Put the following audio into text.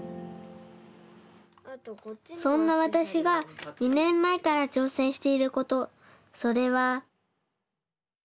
そんなわたしが２ねんまえからちょうせんしていることそれは。